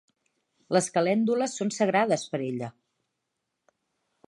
Les calèndules són sagrades per ella.